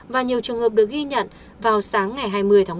và nhiều trường hợp được ghi nhận vào sáng ngày hai mươi tháng một mươi